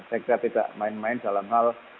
saya kira tidak main main dalam hal